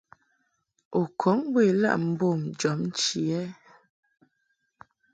U kɔŋ bə ilaʼ mbom jɔbnchi ɛ ?